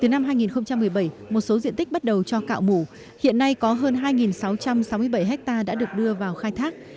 từ năm hai nghìn một mươi bảy một số diện tích bắt đầu cho cạo mủ hiện nay có hơn hai sáu trăm sáu mươi bảy hectare đã được đưa vào khai thác